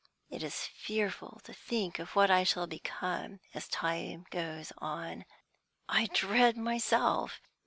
It is fearful to think of what I shall become as time goes on. I dread myself!